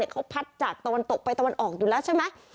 เขาพัดจากตะวันตกไปตะวันออกอยู่แล้วใช่ไหม